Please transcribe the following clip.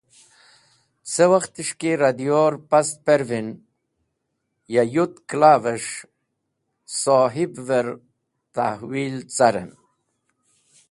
Ce males̃h ki rẽ diyor past perven, ya yutk kẽla’ves̃h sohib’ver tahwil caren.